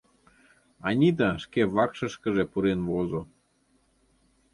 Анита шке вакшышкыже пурен возо.